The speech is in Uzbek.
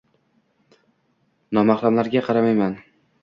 — Nomahramlarga qaramayman!